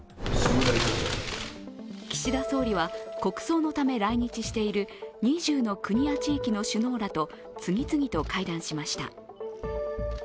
岸田総理は、国葬のため来日している２０の国や地域の首脳らと次々と会談しました。